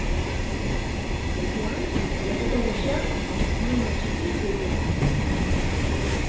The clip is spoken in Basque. Lepoan, lepoko gisa, luma txiki zuriak.